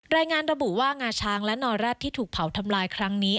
รายงานระบุว่างาช้างและนอแร็ดที่ถูกเผาทำลายครั้งนี้